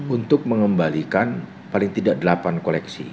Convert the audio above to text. untuk mengembalikan paling tidak delapan koleksi